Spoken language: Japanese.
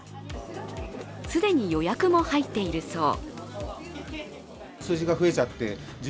既に予約も入っているそう。